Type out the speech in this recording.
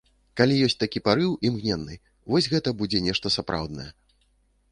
Калі ёсць такі парыў, імгненны, вось гэта будзе нешта сапраўднае.